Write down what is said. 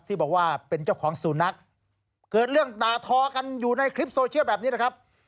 ที่บอกว่าเป็นเจ้าของสุนัขเกิดเรื่องด่าทอกันอยู่ในคลิปโซเชียลแบบนี้นะครับ